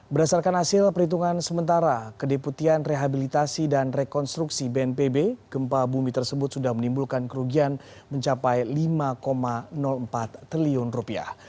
berdasarkan hasil perhitungan sementara kedeputian rehabilitasi dan rekonstruksi bnpb gempa bumi tersebut sudah menimbulkan kerugian mencapai lima empat triliun rupiah